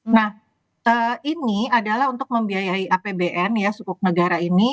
nah ini adalah untuk membiayai apbn ya sukuk negara ini